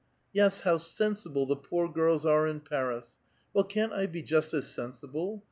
Yes, how sensible the poor girls are in Paris! Well, can't I be just as sensible?